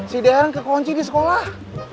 si derang kekunci di sekolah